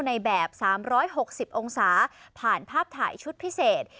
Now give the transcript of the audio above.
ในแบบ๓๖๐องศาผ่านภาพถ่ายชุดพิเศษ